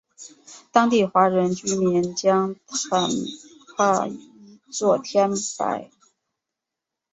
当地华人居民将坦帕译作天柏。